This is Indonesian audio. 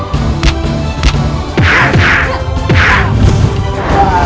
di mana mereka